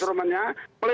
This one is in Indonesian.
pertanyaan dari instrumennya